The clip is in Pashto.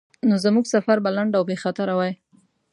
نو زموږ سفر به لنډ او بیخطره وای.